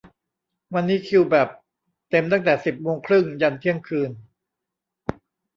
วันนี้คิวแบบ เต็มตั้งแต่สิบโมงครึ่งยันเที่ยงคืน